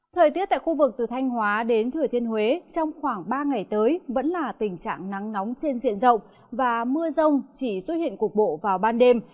thời tiết tại khu vực từ thanh hóa đến thừa thiên huế trong khoảng ba ngày tới vẫn là tình trạng nắng nóng trên diện rộng và mưa rông chỉ xuất hiện cục bộ vào ban đêm